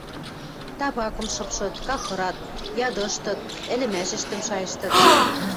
Табакым шыпшыт, кахырат, ядыштыт, ӹлӹмӓшӹштӹм шайыштыт.